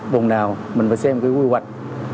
vùng nào mình phải xem cái quy hoạch